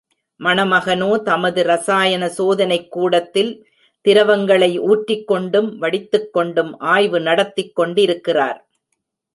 மணமகனோ தமது ரசாயன சோதனைக் கூடத்தில், திரவங்களை ஊற்றிக் கொண்டும் வடித்துக் கொண்டும் ஆய்வு நடத்திக் கொண்டிருக்கிறார்.